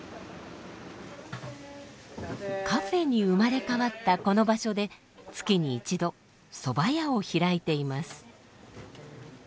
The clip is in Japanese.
カフェに生まれ変わったこの場所で月に一度そば屋を開いています。